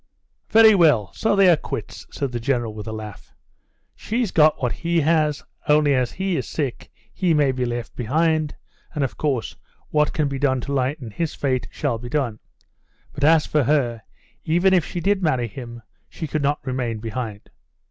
"Very well; so they are quits," said the General, with a laugh. "She's got what he has, only as he is sick he may be left behind, and of course what can be done to lighten his fate shall be done. But as for her, even if she did marry him, she could not remain behind."